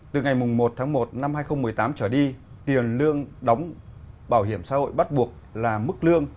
từ ngày một tháng một năm hai nghìn một mươi tám trở đi tiền lương đóng bảo hiểm xã hội bắt buộc là mức lương